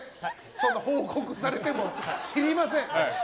そんな報告されても知りません。